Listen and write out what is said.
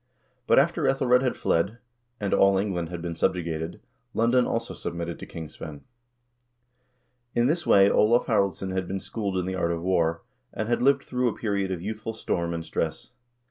But after /Ethelred had fled, and all England had been subjugated, London also submitted to King Svein. In this way Olav Haraldsson had been schooled in the art of war, and had lived through a period of youthful storm and stress.